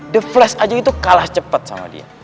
the flash aja itu kalah cepat sama dia